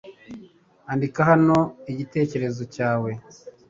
Andika hano igitekerezo cyawe